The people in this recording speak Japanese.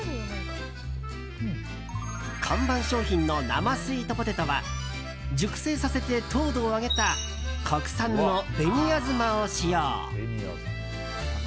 看板商品の生スイートポテトは熟成させて糖度を上げた国産の紅あずまを使用。